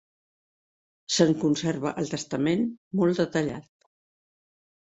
Se'n conserva el testament, molt detallat.